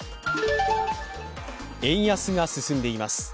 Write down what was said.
円安が進んでいます。